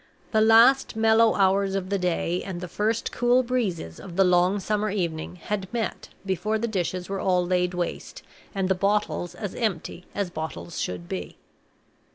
The last mellow hours of the day and the first cool breezes of the long summer evening had met before the dishes were all laid waste, and the bottles as empty as bottles should be.